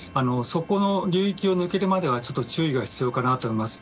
そこの流域を抜けるまでは注意が必要かなと思います。